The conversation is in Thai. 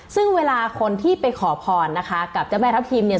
ซึ่งเวลาคนที่ไปขอพรนะคะกับเจ้าแม่ทัพทิมเนี่ย